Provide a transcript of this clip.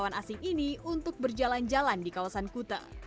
kedua pemandu wisata rombongan wisatawan asing ini untuk berjalan jalan di kawasan kota